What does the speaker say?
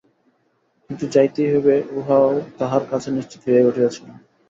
কিন্তু যাইতেই হইবে ইহাও তাহার কাছে নিশ্চিত হইয়া উঠিয়াছিল।